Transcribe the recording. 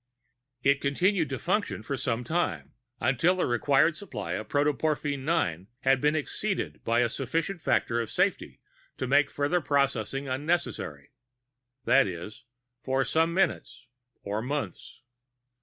It continued to function for some time until the required supply of Protoporphin IX had been exceeded by a sufficient factor of safety to make further processing unnecessary that is, for some minutes or months.